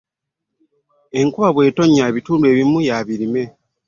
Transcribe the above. Enkuba bw'etonnya ebitundu ebimu y'ebirime.